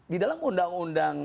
di dalam undang undang